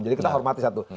jadi kita hormati satu